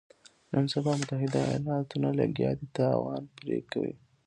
نن سبا متحده ایالتونه لګیا دي تاوان پرې کوي.